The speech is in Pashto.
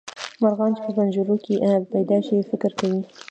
مرغان چې په پنجرو کې پیدا شي فکر کوي.